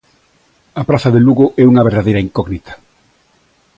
A praza de Lugo é unha verdadeira incógnita.